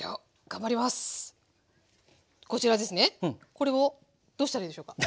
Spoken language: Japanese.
これをどうしたらいいでしょうか。